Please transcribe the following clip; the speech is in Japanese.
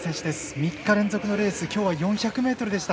３日連続のレースきょうは４００ｍでした。